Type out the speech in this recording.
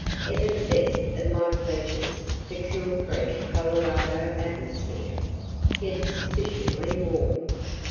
Ever the best of my pleasures the cool fresh Colorado atmosphere, yet sufficiently warm.